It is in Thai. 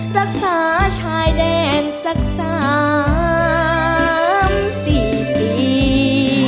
รักษาชายแดนสักสามสี่ปี